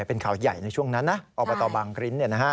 เป็นข่าวใหญ่ในช่วงนั้นนะเอาไปต่อบางคริ้นเนี่ยนะฮะ